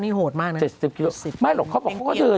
จบตัววิสัยเก่าออกไปนู่น